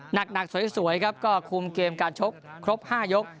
หนักหนักสวยสวยครับก็คลุมเกมการชบครบห้ายก